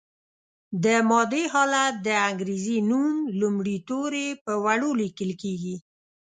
د مادې حالت د انګریزي نوم لومړي توري په وړو لیکل کیږي.